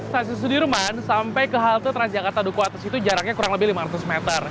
stasiun sudirman sampai ke halte transjakarta duku atas itu jaraknya kurang lebih lima ratus meter